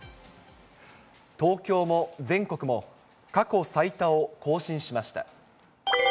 東京も全国も、過去最多を更新しました。